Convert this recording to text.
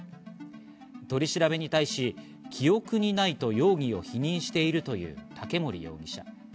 取り調べに対し記憶にないと容疑を否認しているという竹森容疑者。